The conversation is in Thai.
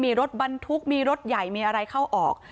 มีรถบรรทุกมีรถใหญ่มีอะไรเข้าออก